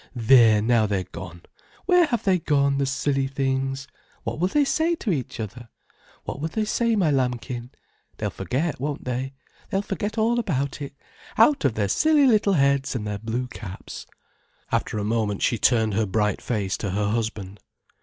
"There, now they're gone. Where have they gone, the silly things? What will they say to each other? What will they say, my lambkin? They'll forget, won't they, they'll forget all about it, out of their silly little heads, and their blue caps." After a moment, she turned her bright face to her husband.